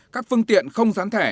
các phương tiện không gián thẻ